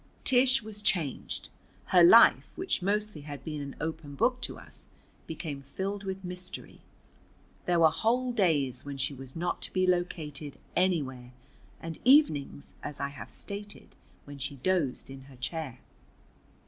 Tish was changed. Her life, which mostly had been an open book to us, became filled with mystery. There were whole days when she was not to be located anywhere, and evenings, as I have stated, when she dozed in her chair.